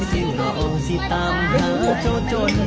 สิ่งเหล่าสิตามหาเจ้าจนก่อน